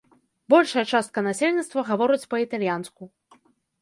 Большая частка насельніцтва гаворыць па-італьянску.